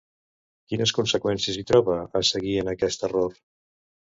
Quines conseqüències hi troba a seguir en aquest error?